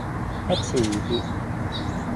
不辭而別